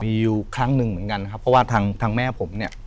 มีอยู่ครั้งหนึ่งเหมือนกันนะครับเพราะว่าทางทางแม่ผมเนี่ย